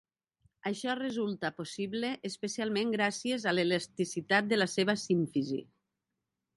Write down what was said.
Això resulta possible especialment gràcies a l'elasticitat de la seva símfisi.